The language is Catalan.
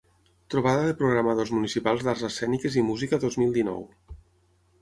Trobada de programadors municipals d'arts escèniques i música dos mil dinou.